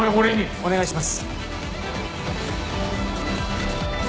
お願いします。